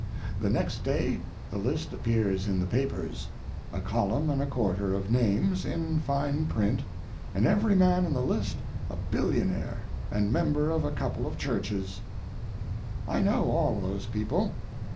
The next day the list appears in the papers—a column and a quarter of names, in fine print, and every man in the list a billionaire and member of a couple of churches. I know all those people.